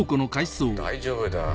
大丈夫だ。